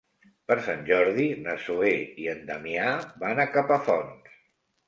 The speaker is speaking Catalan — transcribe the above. Per Sant Jordi na Zoè i en Damià van a Capafonts.